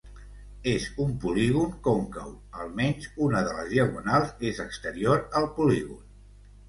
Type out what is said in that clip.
En un polígon còncau, almenys una de les diagonals és exterior al polígon.